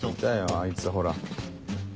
あいつほら。